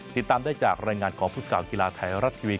ติดตามได้จากรายงานของพุศกาลกีฬาไทยรัททีวี